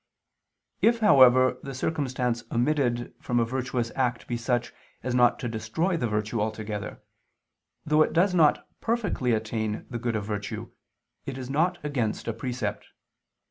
If, however, the circumstance omitted from a virtuous act be such as not to destroy the virtue altogether, though it does not perfectly attain the good of virtue, it is not against a precept.